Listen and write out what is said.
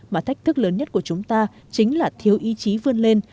mà thách thức lớn nhất của chúng ta chính là thiếu ý chí vươn lên